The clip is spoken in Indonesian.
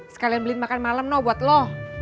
sekalian beliin makan malam buat lo